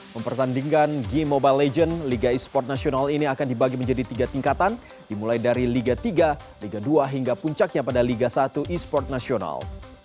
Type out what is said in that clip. mempertandingkan g mobile legends liga e sport nasional ini akan dibagi menjadi tiga tingkatan dimulai dari liga tiga liga dua hingga puncaknya pada liga satu e sport nasional